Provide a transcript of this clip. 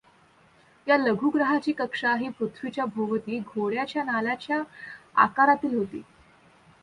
या लघुग्रहाची कक्षा ही पृथ्वीच्या भोवती घोड्याच्या नालाच्या आकारातील होती.